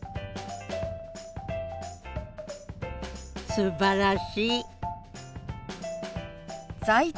すばらしい！